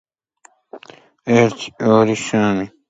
აქვს სრულყოფილი ტკეჩადობა ორი მიმართულებით.